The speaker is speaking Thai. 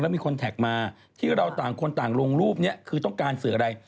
ชาติที่แล้วเธอเป็นใครอะ